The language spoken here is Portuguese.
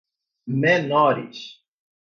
menores